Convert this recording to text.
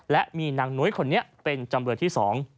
และมีนางนุ้ยคนนี้เป็นจำเลยที่๒